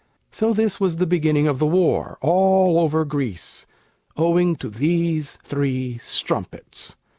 So this was the beginning of the war, All over Greece, owing to these three strumpets.